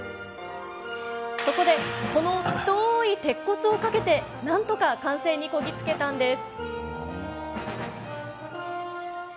そこで、この太い鉄骨をかけてなんとか完成にこぎ着けたんです。